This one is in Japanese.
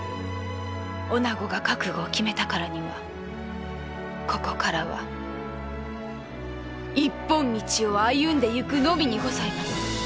女子が覚悟を決めたからにはここからは一本道を歩んでゆくのみにございます。